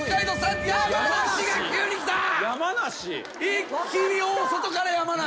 一気に大外から山梨。